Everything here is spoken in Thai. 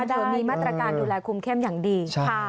เดิมมีมาตรการดูแลคุมเข้มอย่างดี